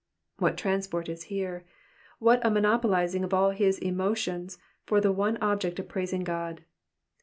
'''' What transport is here ! What a monopolising of all his emotions for the one object of praising God